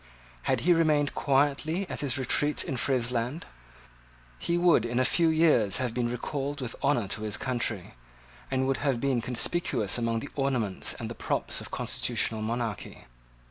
Had he remained quietly at his retreat in Friesland, he would in a few years have been recalled with honour to his country, and would have been conspicuous among the ornaments and the props of constitutional monarchy.